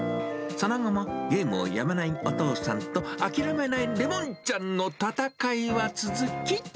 その後もゲームをやめないお父さんと諦めないレモンちゃんの戦いは続き。